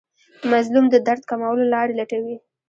مظلوم د درد کمولو لارې لټوي.